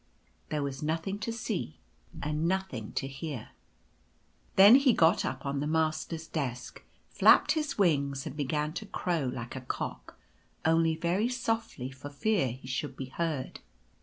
There was nothing to see and nothing to hear. Then he got up on the Master's desk, flapped his wings, and began to crow like a cock, only very softly, for fear he should be heard.